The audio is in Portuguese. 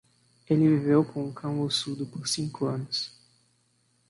Ele viveu com um cão ossudo por cinco anos.